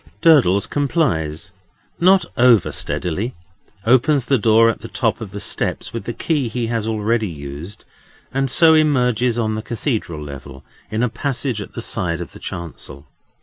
Durdles complies, not over steadily; opens the door at the top of the steps with the key he has already used; and so emerges on the Cathedral level, in a passage at the side of the chancel.